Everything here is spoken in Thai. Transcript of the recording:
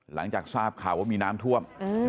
หลังจากทราบข่าวว่ามีน้ำท่วม